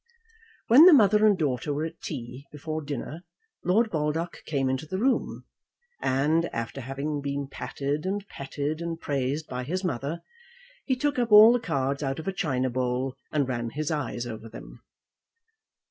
When the mother and daughter were at tea, before dinner, Lord Baldock came into the room, and, after having been patted and petted and praised by his mother, he took up all the cards out of a china bowl and ran his eyes over them.